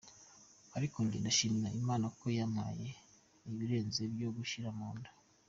Ariko jye ndashimira Imana ko yampaye ibirenze ibyo gushyira mu nda.